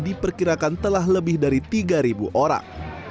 diperkirakan telah lebih dari tiga orang